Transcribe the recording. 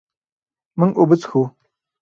مونږ اوبه څښو.